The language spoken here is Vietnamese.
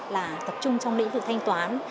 là tập trung trong lĩnh vực thanh toán